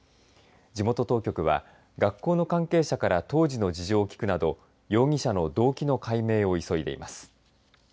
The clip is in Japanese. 地元当局は、学校の関係者から当時の事情を聞くなど容疑者の動機の解明を急いでいます。